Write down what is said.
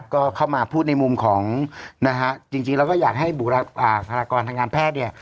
ก็เข้ามาพูดในมุมของนะฮะจริงแล้วก็อยากให้บุคลากรทางการแพทย์เนี่ย